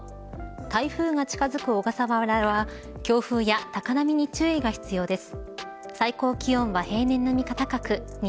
台風が近づく小笠原は強風や高波に注意が必要です。